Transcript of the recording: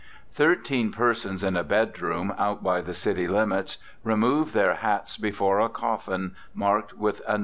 Thirteen persons, in a bedroom out by the city limits, remove their hats before a coffin marked with a No.